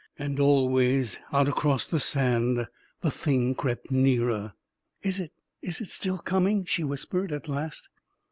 And always, out across the sand, the thing crept nearer. 44 Is it — is it still coming?" she whispered, at last.